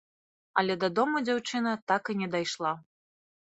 Але дадому дзяўчына так і не дайшла.